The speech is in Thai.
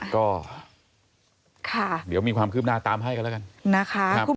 ก็เดี๋ยวมีความคืบหน้าตามให้กันแล้วกันนะคะ